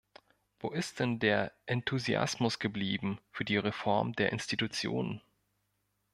Wo ist denn der Enthusiasmus geblieben für die Reform der Institutionen?